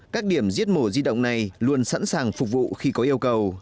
các điểm giết mổ di động này luôn sẵn sàng phục vụ khi có yêu cầu